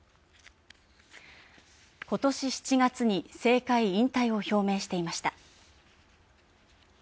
今年７月に政界引退を表明していました。